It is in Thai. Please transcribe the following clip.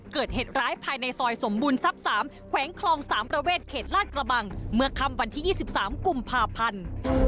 เกิดเหตุร้ายภายในซอยสมบูรณทรัพย์๓แขวงคลอง๓ประเวทเขตลาดกระบังเมื่อค่ำวันที่๒๓กุมภาพันธ์